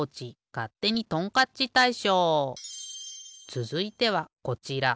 つづいてはこちら。